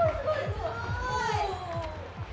すごーい！